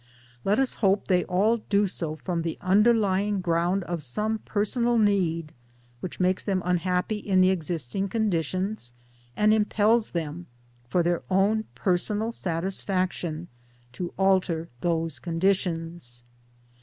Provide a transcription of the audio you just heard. Let us hope they all do so from the underlying] ground of some personal need which makes them unhappy in the existing conditions and impels them for their own personal satisfaction to alter those conditions.